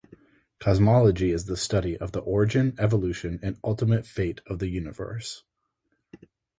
Cosmology is the study of the origin, evolution and ultimate fate of the universe.